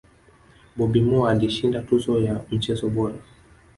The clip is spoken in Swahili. bobby Moore alishinda tuzo ya mchezaji bora